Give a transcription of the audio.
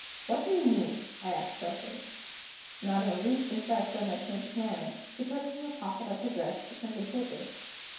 "What do you mean?" I asked sharply. Not in the least impressed by my change of manner, she took from the pocket of her dress a printed paper.